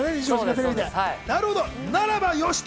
なるほど、ならばよし。